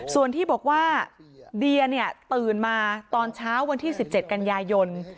ส่วนที่บอกว่าเดียเนี่ยตื่นมาตอนเช้าวันที่๑๗กันยายน